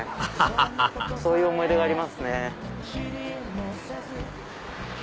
ハハハハそういう思い出がありますね。